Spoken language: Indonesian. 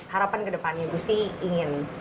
harapan kedepannya gusti ingin